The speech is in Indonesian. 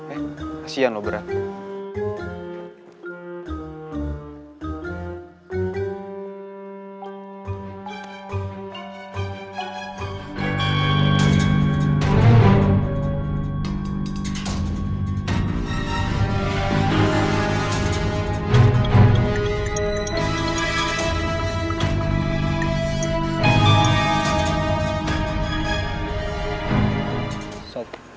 eh kasihan lo berat